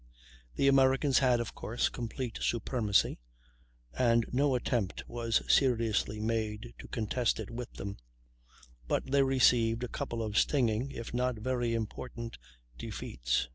The Americans had, of course, complete supremacy, and no attempt was seriously made to contest it with them; but they received a couple of stinging, if not very important, defeats.